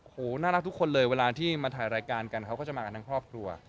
น่ารักทุกคนเลยเวลาที่มาถ่ายรายการกันเขาก็จะมากันทั้งครอบครัว